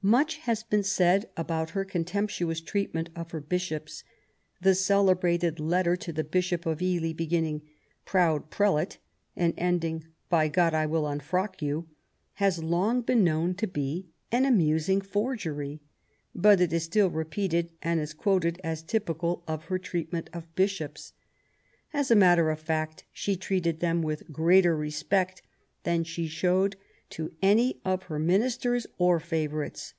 Much has been said about her contemptuous treatment of her Bishops. The celebrated letter to the Bishop of Ely, beginning : "Proud prelate," and ending: "by God, I will unfrock 264 QUEEN ELIZABETH, you/' has long been known to be an amusing forgery ; but it is still repeated, and is quoted as typical of her treatment of Bishops. As a matter of fact she treated them with greater respect than she showed to any of her ministers or favourites.